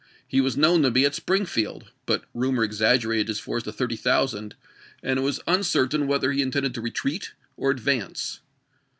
He was known to be at Springfield; but rumor exaggerated his force to thirty thousand, and it was uncertain whether he intended to retreat or advance.